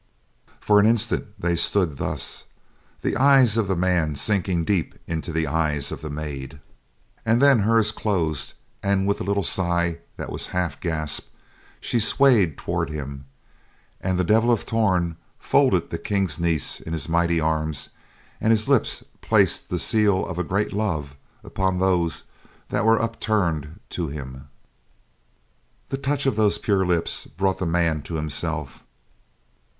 For an instant they stood thus, the eyes of the man sinking deep into the eyes of the maid, and then hers closed and with a little sigh that was half gasp, she swayed toward him, and the Devil of Torn folded the King's niece in his mighty arms and his lips placed the seal of a great love upon those that were upturned to him. The touch of those pure lips brought the man to himself.